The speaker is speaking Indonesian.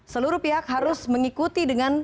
seluruh pihak harus mengikuti dengan